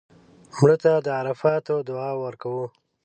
مړه ته د عرفاتو دعا ورکوو